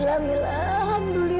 tante kita harus berhenti